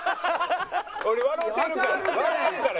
俺笑うてるから。